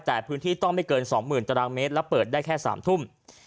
แต่พื้นที่ต้องไม่เกิน๒๐๐๐ตารางเมตรและเปิดได้แค่๓ทุ่ม